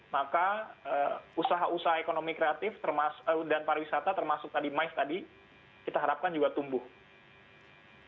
maka usaha usaha ekonomi kreatif dan pariwisata termasuk tadi mif tadi kita harapkan juga tumbuh